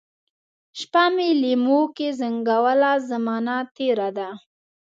شپه مي لېموکې زنګوله ، زمانه تیره ده